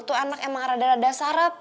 itu anak emang rada rada sarap